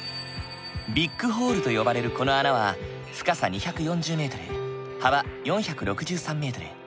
ビッグホールと呼ばれるこの穴は深さ２４０ｍ幅４６３ｍ。